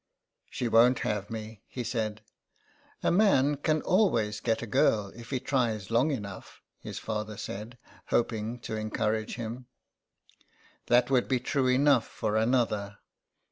" She won't have me,'' he said. "A man can always get a girl if he tries long enough/' his father said, hoping to encourage him. " That would be true enough for another.